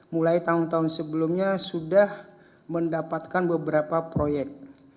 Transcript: mulai tahun tahun sebelumnya sudah mendapatkan beberapa proyek